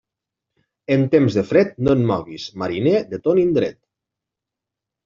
En temps de fred, no et moguis, mariner, de ton indret.